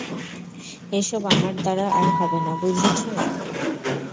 এসব আমার দ্বারা আর হবে না, বুঝেছো?